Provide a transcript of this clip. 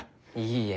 いいえ。